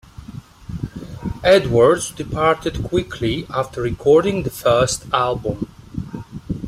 Edwards departed quickly after recording the first album.